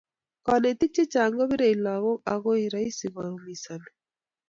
kanetik chechang kopire I lakok akoi koraisi koumisani